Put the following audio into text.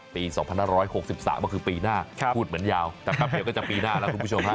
ปี๒๕๖๓ก็คือปีหน้าพูดเหมือนยาวแต่แป๊บเดียวก็จะปีหน้าแล้วคุณผู้ชมฮะ